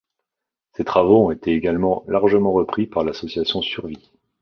Ses travaux ont été également largement repris par l'association Survie.